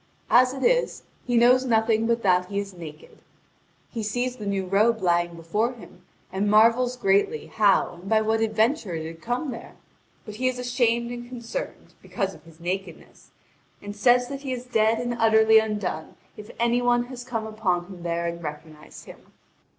As it is, he knows nothing but that he is naked. He sees the new robe lying before him, and marvels greatly how and by what adventure it had come there. But he is ashamed and concerned, because of his nakedness, and says that he is dead and utterly undone if any one has come upon him there and recognised him.